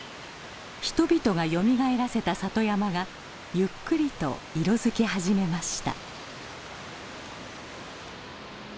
人々がよみがえらせた里山がゆっくりと色づき始めました。